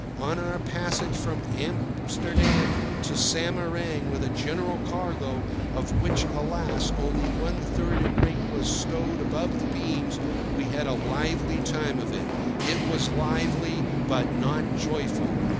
On our passage from Amsterdam to Samarang with a general cargo, of which, alas! only one third in weight was stowed "above the beams," we had a lively time of it. It was lively, but not joyful.